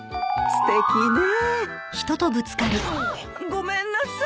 ごめんなさい。